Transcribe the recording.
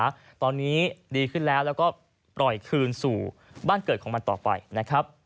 ว่าตอนนี้ดีขึ้นแล้วแล้วก็ปล่อยคืนสู่บ้านเกิดของมันต่อไปนะครับ